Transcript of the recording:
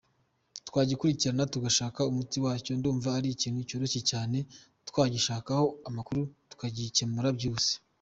Twagikurikirana tugashaka umuti wacyo, ndumva ari ikintu cyoroshye cyane twagishakaho amakuru tukagicyemura byihuse.